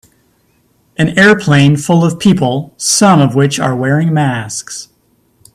An airplane full of people, some of which are wearing masks.